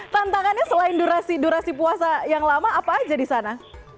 tantangannya selain durasi durasi puasa yang lama apa aja di sana